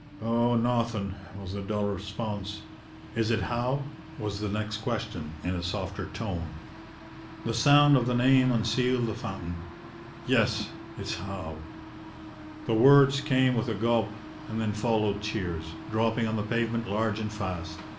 'Oh, nauthin',' was the dull response. 'Is it Howe?' was the next question, in a softer tone. The sound of the name unsealed the fountain. 'Yes, it's Howe.' The words came with a gulp, and then followed tears, dropping on the pavement large and fast.